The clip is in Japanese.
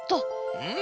うん！